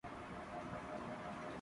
تبتی سلطنت کی تحلیل کے بعد